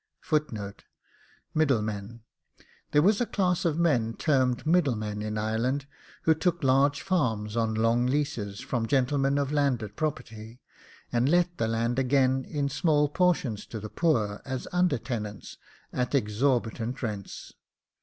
MIDDLEMEN. There was a class of men, termed middlemen, in Ireland, who took large farms on long leases from gentlemen of landed property, and let the land again in small portions to the poor, as under tenants, at exorbitant rents.